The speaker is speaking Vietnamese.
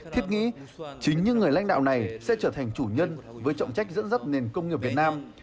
thiết nghĩ chính những người lãnh đạo này sẽ trở thành chủ nhân với trọng trách dẫn dắt nền công nghiệp việt nam